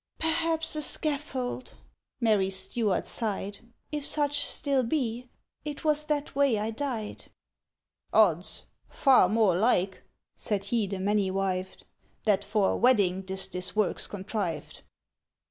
"—Perhaps a scaffold!" Mary Stuart sighed, "If such still be. It was that way I died." "—Ods! Far more like," said he the many wived, "That for a wedding 'tis this work's contrived.